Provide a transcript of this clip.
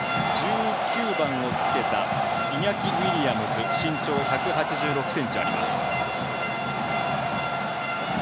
１９番をつけたイニャキ・ウィリアムズ身長１８６ｃｍあります。